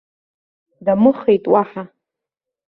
Дамыхеит уаҳа.